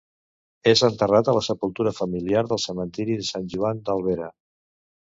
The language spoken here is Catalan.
És enterrat a la sepultura familiar del cementiri de Sant Joan d'Albera.